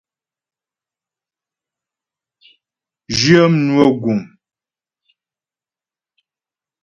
Zhyə mnwə guŋ.